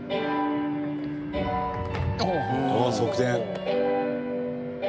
わあ側転。